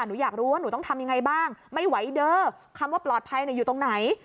หนูอยากรู้ว่าหนูต้องทำยังไงบ้างไม่ไหวเด้อคำว่าปลอดภัยอยู่ตรงไหน